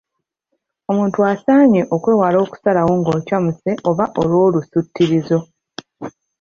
Omuntu asaanye okwewala okusalawo ng’okyamuse oba olw’olusuutirizo.